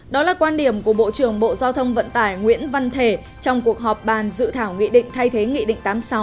đó là quan điểm của bộ trưởng bộ giao thông vận tải nguyễn văn thể trong cuộc họp bàn dự thảo nghị định thay thế nghị định tám mươi sáu